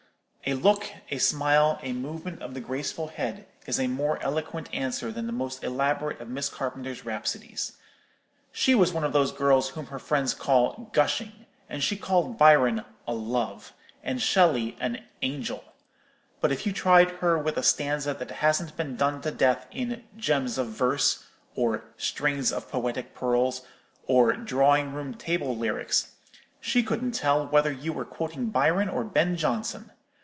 A look, a smile, a movement of the graceful head, is a more eloquent answer than the most elaborate of Miss Carpenter's rhapsodies. She was one of those girls whom her friends call 'gushing;' and she called Byron a 'love,' and Shelley an 'angel:' but if you tried her with a stanza that hasn't been done to death in 'Gems of Verse,' or 'Strings of Poetic Pearls,' or 'Drawing room Table Lyrics,' she couldn't tell whether you were quoting Byron or Ben Jonson.